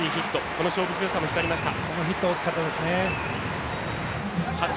この勝負強さも光りました。